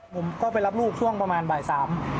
ผมก็ไปรับลูกช่วงประมาณบ่ายสาม